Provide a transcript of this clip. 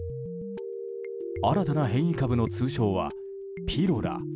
新たな変異株の通称はピロラ。